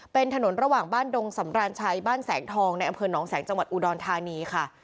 เป็นถนนระหว่างบ้านดงสำราญชัยบ้านแสงทองในอำเภอหนองแสงจังหวัดอุดรธานีค่ะ